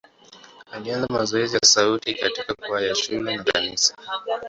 Alianza mazoezi ya sauti katika kwaya ya shule na kanisa.